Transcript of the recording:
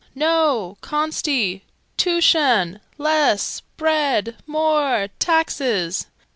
Noo! Consti! Tooshun! Less! Bread! More! Taxes!"